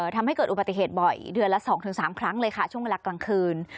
ทำให้เกิดอุบัติเหตุบ่อยเดือนละ๒๓ครั้งเลยค่ะช่วงเวลากลางคืน